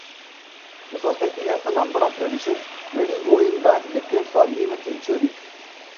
The Society has a number of traditions, many going back decades or even centuries.